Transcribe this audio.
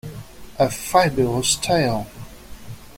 A Fabulous tale.